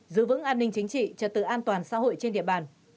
giữ vững an ninh chính trị trật tự an toàn xã hội trên địa bàn